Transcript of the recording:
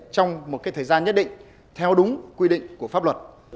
trong một thời gian nhất định theo đúng quy định của pháp luật